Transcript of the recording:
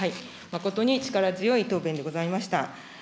誠に力強い答弁でございました。